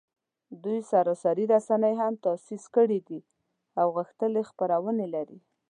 دوی سرتاسري رسنۍ هم تاسیس کړي دي او غښتلي خپرندویې لري